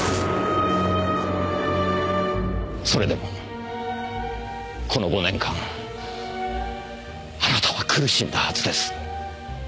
それでもこの５年間あなたは苦しんだはずです。